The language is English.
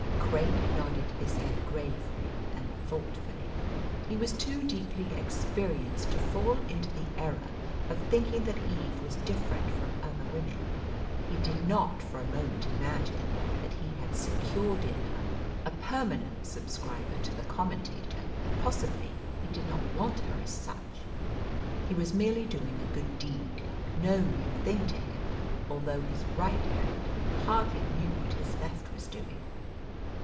Craik nodded his head gravely and thoughtfully. He was too deeply experienced to fall into the error of thinking that Eve was different from other women. He did not for a moment imagine that he had secured in her a permanent subscriber to the Commentator possibly he did not want her as such. He was merely doing a good deed no new thing to him, although his right hand hardly knew what his left was doing.